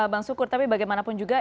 bang sukur tapi bagaimanapun juga